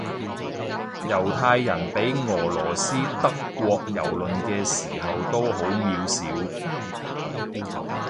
猶太人畀俄羅斯德國蹂躪嘅時候都好渺小